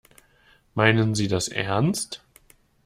Meinen Sie das ernst?